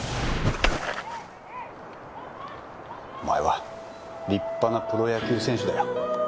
お前は立派なプロ野球選手だよ